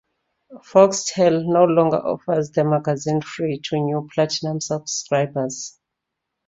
Foxtel no longer offers the magazine free to new "Platinum" subscribers.